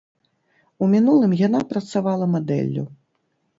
У мінулым яна працавала мадэллю.